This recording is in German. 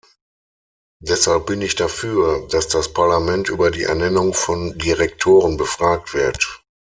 Deshalb bin ich dafür, dass das Parlament über die Ernennung von Direktoren befragt wird.